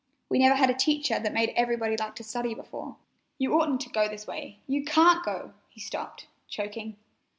We never had a teacher that made everybody like to study before. You oughtn't to go this way. You can't go!" He stopped, choking.